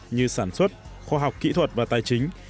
như sản xuất khoa học kỹ thuật và tài chính